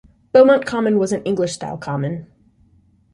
Beaumont Common was an English style Common.